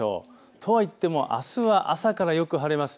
とはいってもあすは朝からよく晴れます。